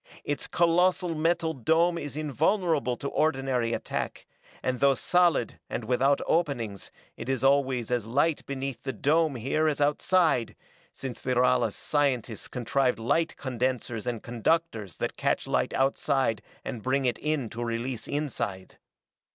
Its colossal metal dome is invulnerable to ordinary attack, and though solid and without openings it is always as light beneath the dome here as outside, since the Ralas' scientists contrived light condensers and conductors that catch light outside and bring it in to release inside.